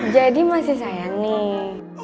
jadi masih sayang nih